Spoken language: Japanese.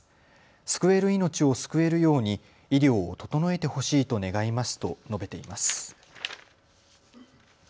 救える命を救えるように医療を整えてほしいと願いますと述べています。